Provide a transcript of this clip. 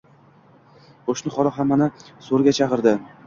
Qo‘shni xola hammani so‘riga chiqardi